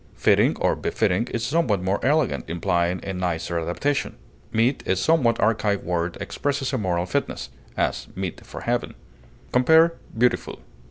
Fitting, or befitting, is somewhat more elegant, implying a nicer adaptation. Meet, a somewhat archaic word, expresses a moral fitness; as, meet for heaven. Compare BEAUTIFUL.